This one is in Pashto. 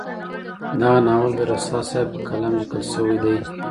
دغه ناول د رسا صاحب په قلم ليکل شوی دی.